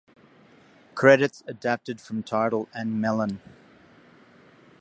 Credits adapted from Tidal and Melon.